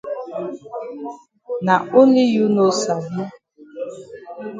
Na only you no sabi.